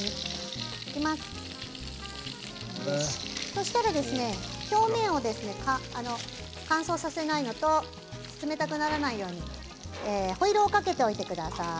そうしたら表面を乾燥させないのと冷たくならないようにホイルをかけておいてください。